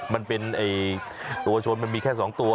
มันเป็นตัวชนมันมีแค่๒ตัว